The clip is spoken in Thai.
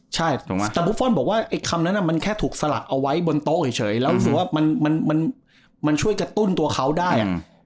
ใช่ถูกไหมแต่บุฟฟอลบอกว่าไอ้คำนั้นมันแค่ถูกสลักเอาไว้บนโต๊ะเฉยแล้วรู้สึกว่ามันช่วยกระตุ้นตัวเขาได้